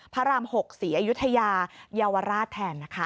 พระราม๖ศรีอยุธยาเยาวราชแทนนะคะ